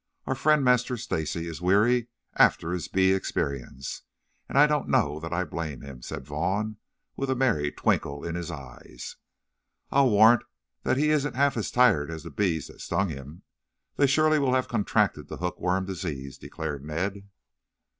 Our friend, Master Stacy, is weary after his bee experience, and I don't know that I blame him," said Vaughn with a merry twinkle in his eyes. "I'll warrant he isn't half as tired as the bees that stung him. They surely will have contracted the hook worm disease," declared Ned.